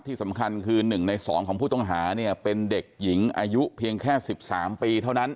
ที่สำคัญคือ๑ใน๒ของผู้ต้องหาเนี่ยเป็นเด็กหญิงอายุเพียงแค่๑๓ปีเท่านั้น